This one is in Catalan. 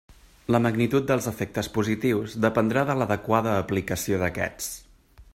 La magnitud dels efectes positius dependrà de l'adequada aplicació d'aquests.